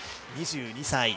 ２２歳。